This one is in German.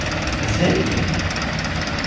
Es hält nicht.